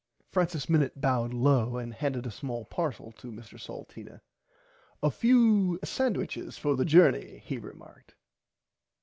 Francis Minnit bowed low and handed a small parcel to Mr Salteena a few sandwighs for the jorney sir he remarked.